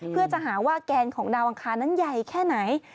เพื่อจะหาว่าแกนของดาวอังคารนั้นใหญ่แค่ไหน